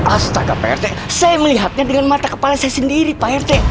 astaga prt saya melihatnya dengan mata kepala saya sendiri pak rt